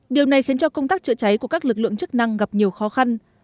điều này khiến cho công tác chữa cháy của các lực lượng chức năng gặp nhiều khó khăn